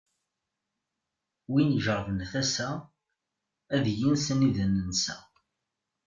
Win ijeṛben tasa, ad yens anida nensa.